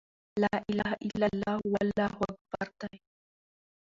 وَلَا إِلَهَ إلَّا اللهُ، وَاللهُ أكْبَرُ دي .